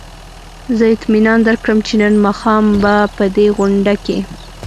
زه اطمینان درکړم چې نن ماښام به په دې غونډه کې.